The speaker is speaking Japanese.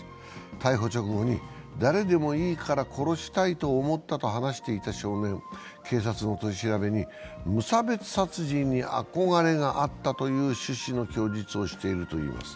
逮捕直後に、誰でもいいから殺したいと思ったと話していた少年、警察の取り調べに、無差別殺人に憧れがあったという趣旨の供述をしているといいます。